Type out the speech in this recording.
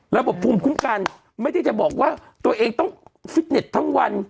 ภูมิคุ้มกันไม่ได้จะบอกว่าตัวเองต้องฟิตเน็ตทั้งวัน